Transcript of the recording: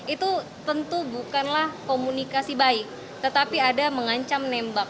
itu tentu bukanlah komunikasi baik tetapi ada mengancam nembak